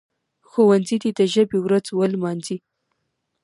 ښوونځي دي د ژبي ورځ ولمانځي.